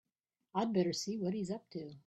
I'd better see what he's up to.